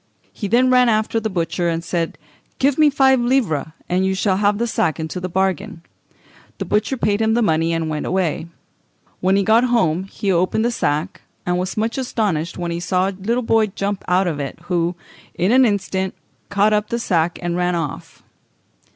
He then ran after the butcher, and said, "Give me five livres, and you shall have the sack into the bargain." The butcher paid him the money, and went away. When he got home he opened the sack, and was much astonished when he saw a little boy jump out of it, who, in an instant, caught up the sack and ran off.